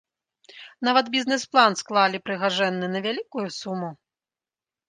Нават бізнэс-план склалі прыгажэнны на вялікую суму.